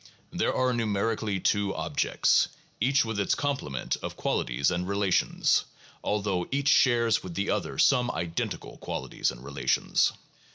There are numerically two objects, each with its complement of qualities and relations, although each shares with the other some identical qualities and relations.